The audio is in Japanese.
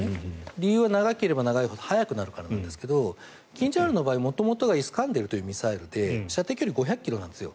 理由は長ければ長いほど速くなるからなんですがキンジャールの場合元々がイスカンデルというミサイルで射程距離５００ｋｍなんです。